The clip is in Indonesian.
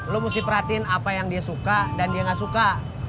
lo mesti perhatiin apa yang dia suka dan dia gak suka